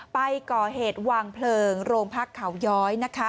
ไปก่อเหตุวางเพลิงโรงพักเขาย้อย